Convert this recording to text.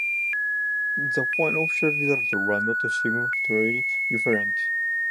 The final official results were not significantly different.